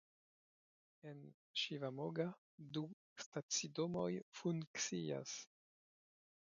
En Ŝivamogga du stacidomoj funkcias.